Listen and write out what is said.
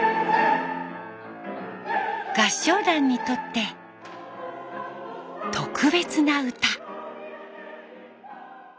合唱団にとって特別な歌。